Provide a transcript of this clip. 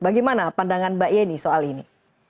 bagaimana pandangan mbak yeni soal ini